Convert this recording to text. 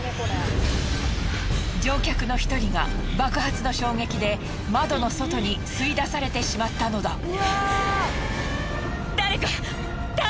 乗客の一人が爆発の衝撃で窓の外に吸い出されてしまったのだ。